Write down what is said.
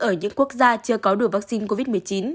ở những quốc gia chưa có đủ vaccine covid một mươi chín